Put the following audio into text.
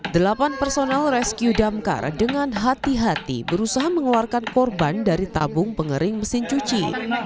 delapan personel rescue damkar dengan hati hati berusaha mengeluarkan korban dari tabung pengering mesin cuci